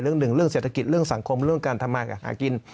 เรื่องหนึ่งเรื่องเศรษฐกิจเรื่องสังคมเรื่องการทำงานกับหากิน